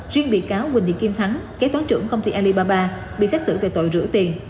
riêng bị cáo huỳnh thị kim thắng kế toán trưởng công ty alibaba bị xét xử về tội rửa tiền